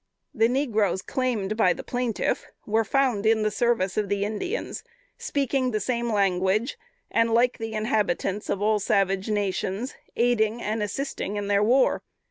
The negroes claimed by the plaintiff were found in the service of the Indians, speaking the same language, and, like the inhabitants of all savage nations, aiding and assisting in the war.